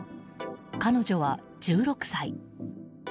彼女は１６歳。